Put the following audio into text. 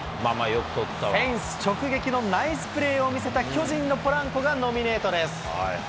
フェンス直撃のナイスプレーを見せた巨人のポランコがノミネートです。